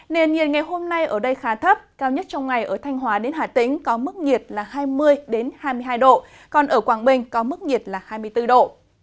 nền nhiệt ngày hôm nay ở đây khá thấp cao nhất trong ngày ở thanh hóa đến hà tĩnh có mức nhiệt là hai mươi hai mươi hai độ còn ở quảng bình có mức nhiệt là hai mươi bốn độ